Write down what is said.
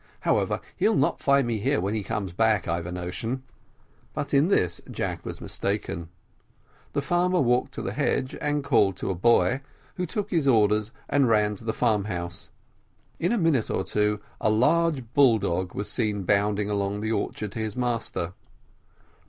however, he'll not find me here when he comes back, I've a notion." But in this Jack was mistaken. The farmer walked to the hedge, and called to a boy, who took his orders and ran to the farm house. In a minute or two a large bull dog was seen bounding along the orchard to his master.